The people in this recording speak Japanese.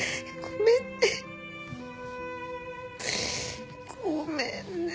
ごめんね。